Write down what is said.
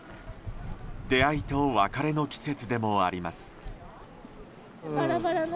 出会いと別れの季節でもあります。